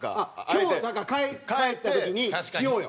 今日帰った時にしようよ。